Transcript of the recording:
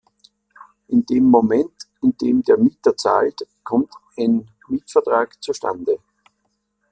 In dem Moment, in dem der Mieter zahlt, kommt ein Mietvertrag zu Stande.